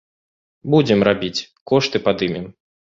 Будзем рабіць, кошты падымем.